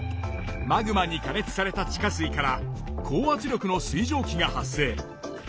マグマに加熱された地下水から高圧力の水蒸気が発生。